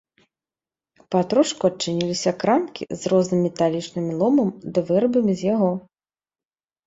Патрошку адчыняліся крамкі з розным металічным ломам ды вырабамі з яго.